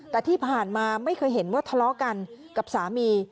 แต่ที่ผ่านมาไม่เคยเห็นว่าทะเลาะกันกับสามี